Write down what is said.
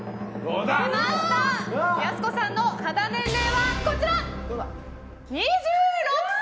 やす子さんの肌年齢は２６歳！